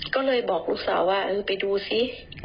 ก็เลยบอกลูกสาวว่าเออไปดูซิ